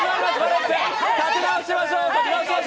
立て直しましょう！